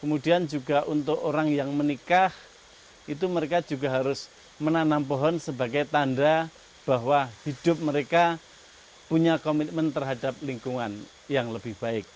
kemudian juga untuk orang yang menikah itu mereka juga harus menanam pohon sebagai tanda bahwa hidup mereka punya komitmen terhadap lingkungan yang lebih baik